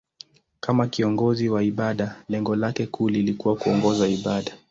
Kama kiongozi wa ibada, lengo lake kuu lilikuwa kuongoza ibada.